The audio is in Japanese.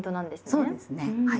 そうですねはい。